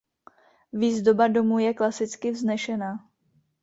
Výzdoba domu je klasicky vznešená.